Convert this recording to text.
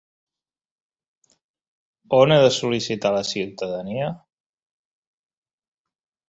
On he de sol·licitar la ciutadania?